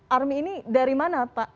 army ini dari mana pak